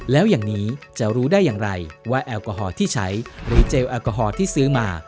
แล้วอย่างนี้จะรู้ได้อย่างไรว่าแอลกอฮอล์ที่ใช้หรือเจลแอลกอฮอล์ที่ซื้อมา